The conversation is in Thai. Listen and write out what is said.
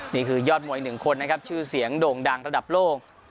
นี่คือยอดมวย๑คนนะครับชื่อเสียงโด่งดังระดับโลก